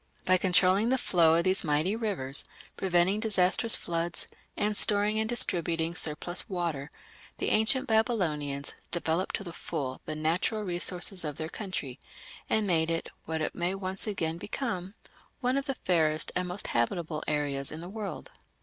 By controlling the flow of these mighty rivers, preventing disastrous floods, and storing and distributing surplus water, the ancient Babylonians developed to the full the natural resources of their country, and made it what it may once again become one of the fairest and most habitable areas in the world.